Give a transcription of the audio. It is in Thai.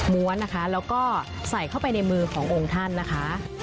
้วนนะคะแล้วก็ใส่เข้าไปในมือขององค์ท่านนะคะ